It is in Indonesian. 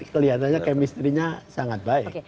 kelihatannya kemistrinya sangat baik